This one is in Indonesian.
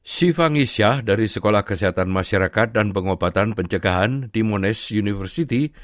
siva ngisyah dari sekolah kesehatan masyarakat dan pengobatan pencegahan di monash university